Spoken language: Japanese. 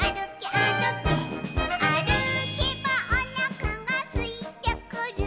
「あるけばおなかがすいてくる」